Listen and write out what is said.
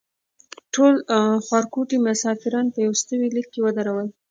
ټول خوارکوټي مسافران په یوستوي لیک کې ودرول.